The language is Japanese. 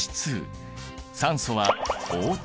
酸素はＯ。